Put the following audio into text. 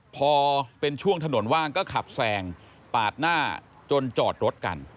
พอเป็นช่วงถนนว่างก็ขับแซงปาดหน้าจนจอดรถกัน